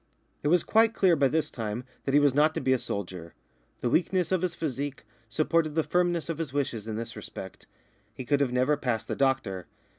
It was quite clear by this time that he was not to be a soldier. The weakness of his physique supported the firmness of his wishes in this respect. He could have never passed the doctor.